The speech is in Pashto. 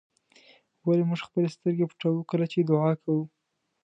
ولې موږ خپلې سترګې پټوو کله چې دعا کوو.